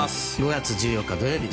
５月１４日土曜日